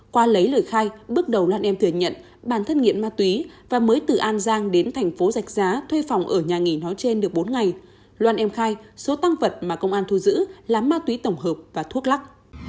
qua lấy lời khai bước đầu loan em thừa nhận bản thân nghiện ma túy và mới từ an giang đến thành phố giạch giá thuê phòng ở nhà nghỉ nói trên được bốn ngày loan em khai số tăng vật mà công an thu giữ là ma túy tổng hợp và thuốc lắc